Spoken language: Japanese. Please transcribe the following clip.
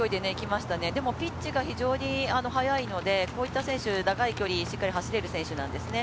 ピッチが非常に速いので、こういった選手、長い距離をしっかり走れる選手なんですね。